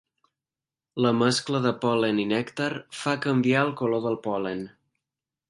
La mescla de pol·len i nèctar fa canviar el color del pol·len.